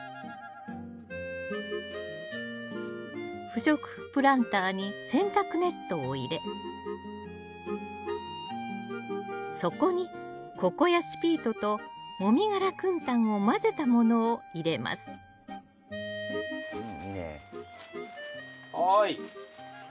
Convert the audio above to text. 不織布プランターに洗濯ネットを入れそこにココヤシピートともみ殻くん炭を混ぜたものを入れますうんいいね。